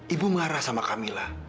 ibu marah sama kamila